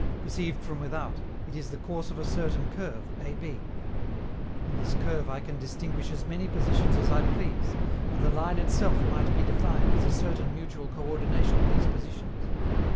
Perceived from without, it is the course of a certain curve, AB. In this curve I can distinguish as many positions as I please, and the line itself might be defined as a certain mutual coördination of these positions.